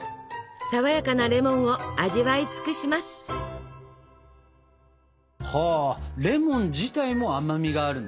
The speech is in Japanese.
さわやかなレモンを味わい尽くします！はレモン自体も甘みがあるんだね。